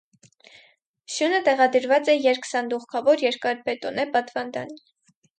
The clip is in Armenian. Սյունը տեղադրված է երկսանդուղքավոր երկաթբետոնե պատվանդանին։